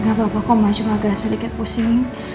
gak apa apa kok kamu asyik agak sedikit pusing